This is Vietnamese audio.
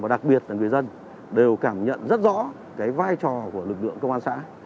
đặc biệt là người dân đều cảm nhận rất rõ vai trò của lực lượng công an xã